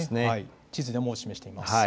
地図でも示しています。